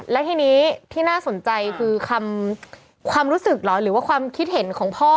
และทีนี้ที่น่าสนใจคือความรู้สึกเหรอหรือว่าความคิดเห็นของพ่อ